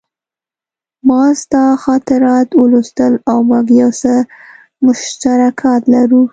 ما ستا خاطرات ولوستل او موږ یو څه مشترکات لرو